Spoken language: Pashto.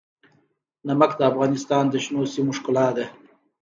نمک د افغانستان د شنو سیمو ښکلا ده.